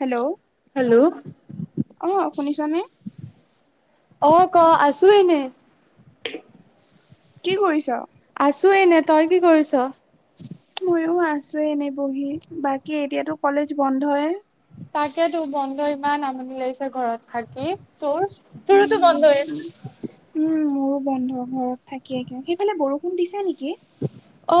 Hello hello অ শুনিছানে? অ' ক আছো এনে। কি কৰিছ? আছো এনে তই কি কৰিছ? মইও আছো এনে বহি বাকী এতিয়াতো কলেজ বন্ধই। তাকেইতো বন্ধ ইমান আমনি লাগিছে ঘৰত থাকি তোৰ? তোৰওতো বন্ধ হৈ উম উম মোৰো বন্ধ ঘৰত থাকিয়ে একে, সেইফালে বৰষুণ দিছে নেকি?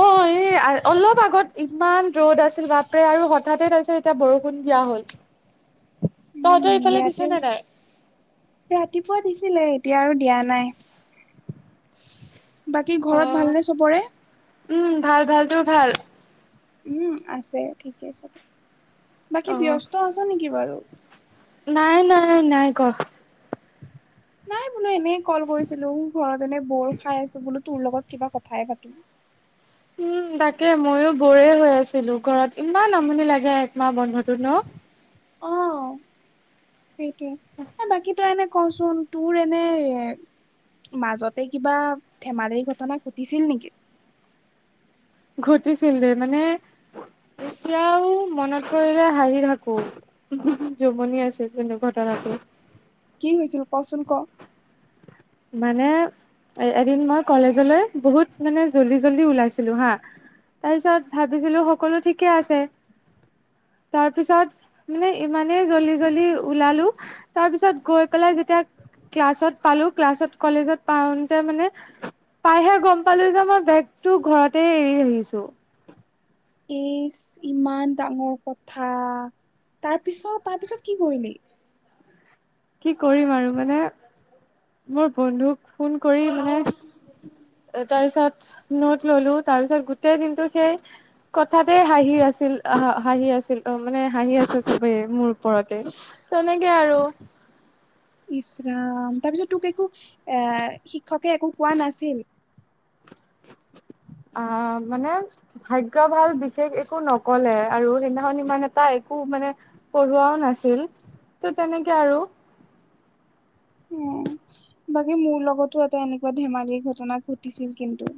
অ এই আ অলপ আগত ইমান ৰ'দ আছিল বাপৰে আৰু হঠাতে তাৰপিছত এতিয়া বৰষুণ দিয়া হ'ল। [unintelligible] তহঁতৰ এইফালে ইয়াতে দিছে নে নাই? ৰাতিপুৱা দিছিলে এতিয়া আৰু দিয়া নাই। বাকী অ ঘৰত ভাল নে চবৰে? উম ভাল ভাল তোৰ ভাল? উম, আছে ঠিকেই চবে। বাকী অ ব্যস্ত আছ নেকি বাৰু? নাই নাই নাই ক। নাই বোলো এনেই কল কৰিছিলো ঘৰত এনে ব'ৰ খাই আছো বোলো তোৰ লগত কিবা কথাই পাতো। উম তাকে ময়ো বৰে হৈ আছিলো ঘৰত। ইমান আমনি লাগে একমাহ বন্ধটোত ন? অ সেইটোৱে এ বাকী তই এনে কচোন তোৰ এনে মাজতে কিবা ধেমালিৰ ঘটনা ঘটিছিল নেকি ঘটিছিল দে মানে এতিয়াও মনত পৰিলে হাঁহি থাকো জমনি আছিল কিন্তু ঘটনাটো কি হৈছিল কচোন ক মানে এদিন মই কলেজলৈ বহুত মানে জল্দি জল্দি ওলাইছিলো হা তাৰপিছত ভাবিছিলো সকলো ঠিকে আছে তাৰ পিছত মানে ইমান জল্দি জল্দি ওলালো তাৰ পিছত গৈ পেলাই যেতিয়া ক্লাছত পালো- ক্লাছত, কলেজত পাওতে মানে পাইহে গম পালো যে, মই বেগটো ঘৰতে এৰি আহিছো। এচ ইমান ডাঙৰ কথা, তাৰ পিছত তাৰপিছত কি কৰিলি? কি কৰিম আৰু মানে মোৰ বন্ধুক ফোন কৰি মানে। তাৰপিছত নট ললো তাৰ পিছত গোটেই দিনতটো সেই। কথাতে হাঁহি আছিল হাঁহি আছিল অ' মানে হাঁহি আছে চবেই মোৰ ওপৰতে। তেনেকে আৰু। ইচৰাম তাৰ পিছত তোক একো এ' শিক্ষকে একো কোৱা নাছিল? অ' মানে। ভাগ্য ভাল বিশেষ একো নকলে আৰু সেইদিনাখন ইমান এটা একো মানে। পঢ়োৱাও নাছিল ত' তেনেকে আৰু। উম বাকী মোৰ লগতো এটা এনেকুৱা ধেমালি ঘটনা ঘটিছিল কিন্তু।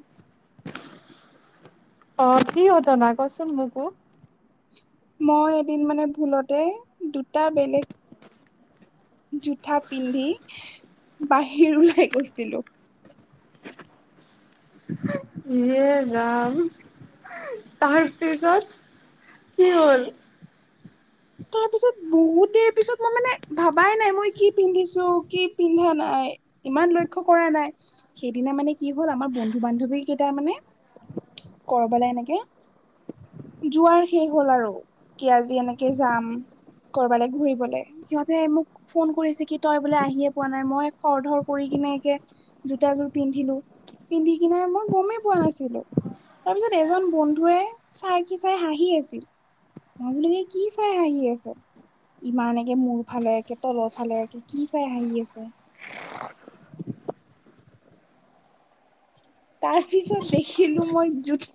অ' কি ঘটনা কচোন মোকো। মই এদিন মানে ভুলতে দুটা বেলেগ। জোটা পিন্ধি বাহিৰ ওলাই গৈছিলো। হে ৰাম, তাৰ পিছত? কি হ'ল? তাৰ পিছত বহুত দেৰি পিছত মই মানে ভাবাই নাই মই কি পিন্ধিছো কি পিন্ধা নাই। ইমান লক্ষ্য কৰা নাই, সেইদিনা মানে কি হল আমাৰ বন্ধু বান্ধৱী কেইটাৰ মানে। কৰবালে এনেকে যোৱাৰ শেষ হল আৰু কি আজি এনেকে। যাম কৰবালৈ ঘূৰিবলে, সিহঁতে মোক। ফোন কৰিছে কি তই বোলে আহিয়ে পোৱা নাই, মই খৰ ধৰ কৰি কিনে একে। জোতাযোৰ পিন্ধিলো, পিন্ধি কিনে মই গমেই পোৱা নাছিলোঁ। তাৰপিছত এজন বন্ধুৱে চাই কি চাই হাঁহি আছিল মই বোলো কি। কি চাই আহি আছে। ইমানকে মূৰ ফালে, তলৰ ফালে কি চাই আহি আছে। তাৰ পিছত দেখিলোঁ মই জোতা।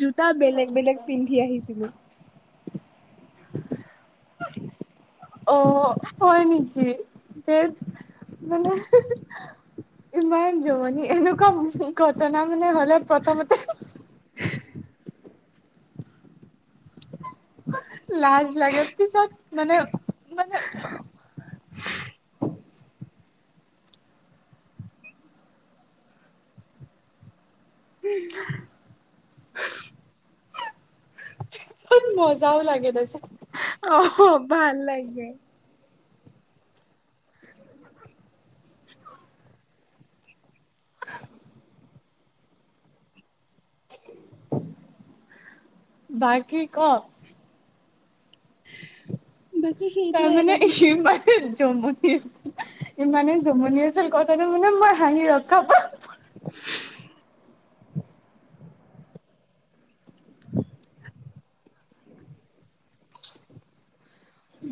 জোতা বেলেগ - বেলেগ পিন্ধি আহিছিলোঁ। [inaudible] অ' হয় নেকি? ধেত মানে। ইমান জমনি এনেকুৱা ঘটনা মানে হলে প্ৰথমতে। [unintelligible] লাজ লাগে পিছত মানে। মানে [unintelligible] উম। পিছত মজাও লাগে দেচোন। অ' ভাল লাগে। বাকি ক। বাকী সেইটোয়ে এটাৰ পিছত। জুমুনি ইমানে জুমনি আছিল কথাটো মানে মই হাহি ৰখাম [unintelligible] [unintelligible]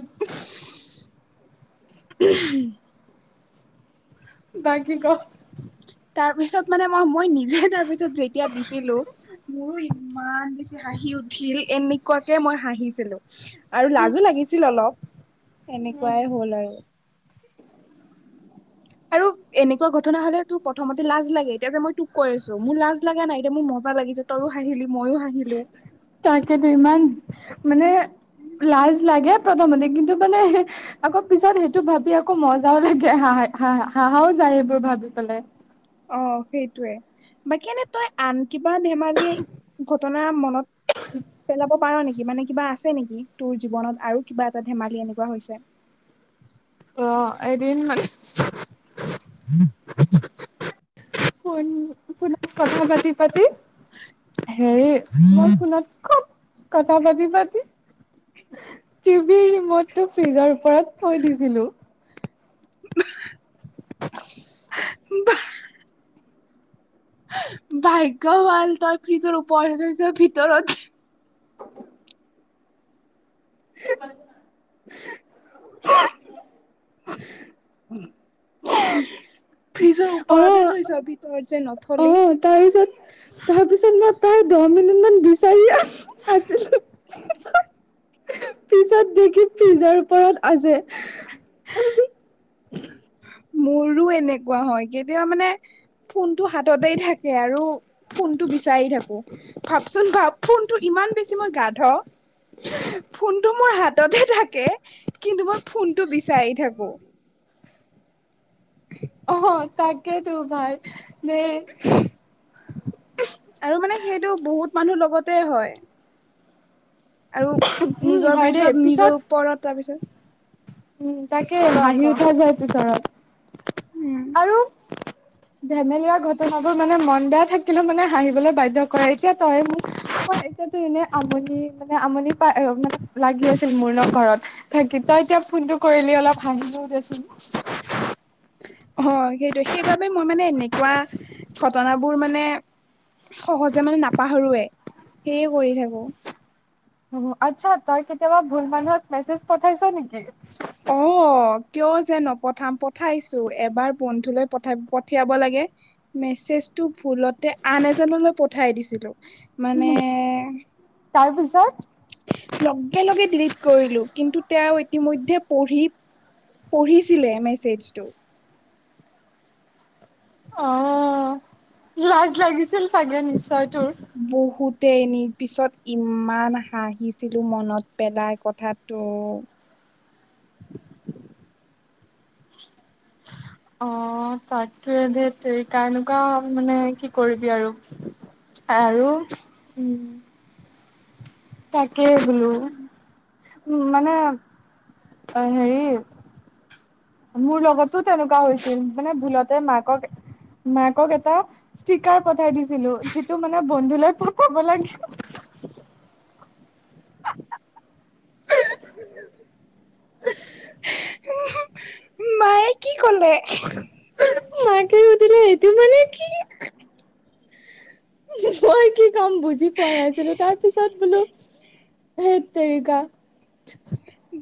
[inaudible] তাকে ক [inaudible] তাৰ পিছত মানে মই মই নিজে তাৰ পিছত যেতিয়া দেখিলো মোৰো। ইমান বেছি হাঁহি উঠিল এনেকুৱাকে মই হাঁহিছিলো। আৰু লাজো লাগিছিল অলপ, এনেকুৱাই হ'ল আৰু। [unintelligible] আৰু এনেকুৱা ঘটনা হ'লে তোৰ প্ৰথমতে লাজ লাগে এতিয়া যে মই তোক কৈ আছো মোৰ লাজ লাগা নাই এতিয়া মোৰ মজা লাগিছে তয়ো হাঁহিলি ময়ো হাঁহিলোঁ তাকেতো ইমান মানে লাজ লাগে প্ৰথমতে কিন্তু মানে আকৌ পিছত সেইটো ভাবি আকৌ মজাও লাগে হাহা হাহা হাঁহাও যায় সেইবোৰ ভাবি পেলাই অ সেইটোৱে বাকী এনে তই আন কিবা ধেমালিয়ে ঘটনা মনত পেলাব পাৰ নিকি মানে কিবা আছে নিকি তোৰ জীৱনত আৰু কিবা এটা ধেমালি এনেকুৱা হৈছে অ এদিন মানে ফ'ন তোমাৰ কথা পাতি পাতি হেৰি মই ফোনত খুব কথা পাতি পাতি টিভি ৰিমট টো ফ্ৰিজৰ ওপৰত থৈ দিছিলো [unintelligible] বাহ ভাগ্য ভাল তই ফ্ৰিজৰ ওপৰতে থৈছ ভিতৰত ফ্ৰিজৰ ওপৰতে অ', থৈছ ভিত তৰত যে নথলি অ তাৰপিছত তাৰপিছত মই তই দহ মিনিট মান বিচাৰি আছো আছিলো পিছত দেখিছো ফ্ৰিজৰ ওপৰত আছে মোৰো এনেকুৱা হয় কেতিয়াবা মানে ফোনটো হাততেই থাকে আৰু ফোনটো বিচাই থাকো ভাবচোন ভাব ফোনটো ইমান বেছি মই গাধ ফোনটো মোৰ হাততে থাকে কিন্তু মই ফোনটো বিচাৰি থাকো অ তাকে তো ভাল দে [unintelligible] আৰু মানে সেইটো বহুত মানুহ লগতে হয় আৰু উম, নিজৰ হয় দেই বিবিছাত পিছত নিজৰ ওপৰত তাৰপিছত উম তাকে ক হাঁহি ক উঠা যায় পিছৰত উম আৰু ধেমেলীয়া ঘটনাবোৰ মানে মন বেয়া থাকিলেও মানে হাঁহিবলৈ বাধ্য কৰায় এতিয়া তই মোক মই এতিয়াতো এনে আমনি মানে আমনি পাই মান লাগি আছিল মোৰ ন ঘৰত থাকি তই এতিয়া ফোনটো কৰিলি অলপ হাঁহিলো দেচোন হয় সেইটোৱে সেইবাবে মই মানে এনেকুৱা ঘটনাবোৰ মানে সহজে মানে নাপাহৰোৱে সেয়ে কৰি থাকো উ আচ্ছা তই কেতিয়াবা ভুল মানুহক মেছেজ পঠাইছ নিকি অ অ কিয় যে নপঠাম পঠাইছো এবাৰ বন্ধুলৈ পঠা পঠিয়াব লাগে মেছেজটো ভুলতে আন এজনলৈ পঠাই দিছিলো মানে তাৰ পিছত লগে লগে ডিলিট কৰিলো কিন্তু তেওঁ ইতিমধ্যে পঢ়ি পঢ়িছিলে মেছেজ টো অ লাজ লাগিছিল চাগে নিশ্চয় তোৰ বহুতে এ নি পিছত ইমান হাঁহিছিলো মনত পেলাই কথাটো। অ, তাকে ধেত, তেৰিকা‌ এনেকুৱা মানে কি কৰিবি আৰু? আৰু, উম, তাকেই বোলো। উ, মানে অ, হেৰি মোৰ লগতো তেনেকুৱা হৈছিল, মানে ভুলতে মাকক মাকক এটা ষ্টিকাৰ পঠাই দিছিলোঁ, যিটো মানে বন্ধুলৈ পঠাব লাগে। [inaudible] মায়ে কি ক'লে? মাকে সুধিলে, সেইটো মানে কি? মই কি ক'ম, বুজি পোৱাাই নছিলো, তাৰ পিছত বোলো, সেই তেৰিকা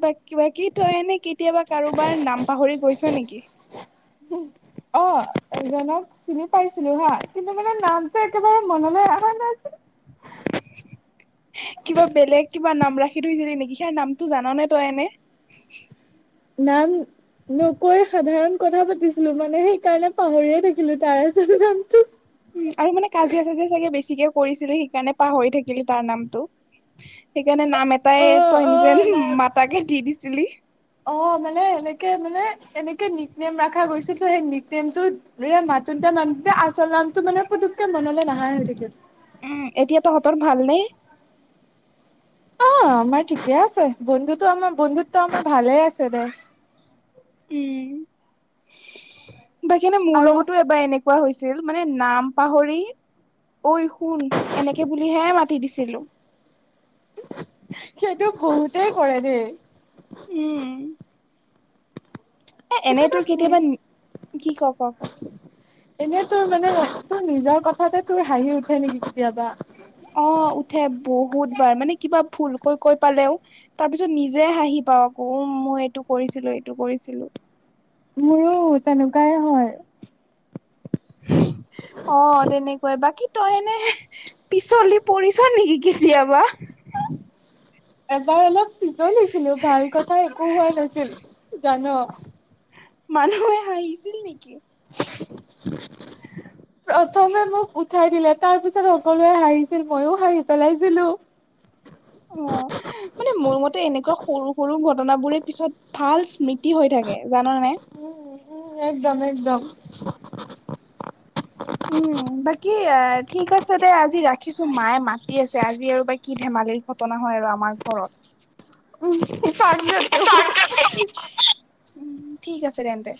ব, বাকী তই এনে কেতিয়াবা কাৰোবাৰ নাম পাহৰি গৈছ নেকি? অ, এজনক চিনি পাইছিলো হা, কিন্তু মানে নামটো একেবাৰে মনলৈ অহা নাছিল। [unintelligible] কিবা বেলেগ কিবা নাম ৰাখি থৈছিলি নেকি, সিয়াৰ নামটো জান নে তই এনে? নাম নকৈ সাধাৰণ কথা পাতিছিলোঁ, মানে সেইকাৰণে পাহৰিয়ে থাকিলো তাৰ আচল নামটো। উম, আৰু মানে কাজিয়া-চাজিয়া চাগে বেছিকে কৰিছিলে সেইকাৰণে পাহৰি থাকিলি তাৰ নামটো। সেইকাৰণে নাম অ এটাই তই, অ নিজে নাই মাতাকে দি দিছিলি। অ, মানে এনেকে মানে এনেকে নীক নেম ৰখা গৈছিলে, সেই নীক নেমটো ন, মাতোতে, মাতোতে আছল নামটো মানে পুতুককে মনলে নহাই হৈ থাকিল। উম, এতিয়া তহঁতৰ ভালনে? অ, আমাৰ ঠিকে আছে বন্ধুত্ব আমাৰ, বন্ধুত্ব আমাৰ, ভালে আছে দে। উম, বাাকী মানে মোৰ আৰু লগতো এবাৰ এনেকা কোৱা হৈছিল, মানে নাম পাহৰি অই, শুন, এনেকে বুলিহে মাতি দিছিলো। সেইটো বহুতেই কৰে দেই। উম, এ, এনেই তোৰ কেতিয়াবা কি ক, ক, ক,? এনেই তোৰ মানে, তোৰ নিজৰ কথাতে তোৰ হাঁহি উঠে নেকি কেতিয়াবা? অ, উঠে বহুত বাৰ, মানে কিবা ভুলকৈ কৈ পালেও তাৰ পিছত নিজে হাঁহি পাওঁ, আকৌ উম, মই এইটো কৰিছিলো, এইটো কৰিছিলো। মোৰো তেনেকুৱাই হয়। অ, তেনেকুৱাই বাকী তই এনে পিছলি পৰিছ নেকি, কেতিয়াবা? এবাৰ, অলপ পিছলিছিলো ভাল কথা একো, হোৱা নাছিল, জান। মানুহে হাঁহিছিল নেকি? প্ৰথমে মোক উঠাই দিলে, তাৰ পিছত সকলোৱে হাঁহিছিল মইও হাঁহি পেলাইছিলো। অ, মানে মোৰ মতে এনেকুৱা সৰু, সৰু ঘটনা বোৰে পিছত ভাল স্মৃতি হৈ থাকে জান, নে। উম, উম, একদম একদম। উম, বাকী এ ঠিক আছে দে আজি ৰাখিছো মায়ে মাতি আছে আজি আৰু বা কি ধেমালিৰ হয় আৰু আমাৰ ঘৰত। [unintelligible] উম ঠিক আছে তেন্তে।